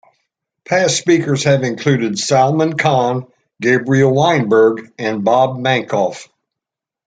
Past speakers have included Salman Khan, Gabriel Weinberg, and Bob Mankoff.